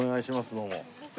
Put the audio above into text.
どうも。